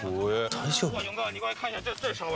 大丈夫？